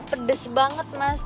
pedes banget mas